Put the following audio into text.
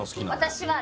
私は。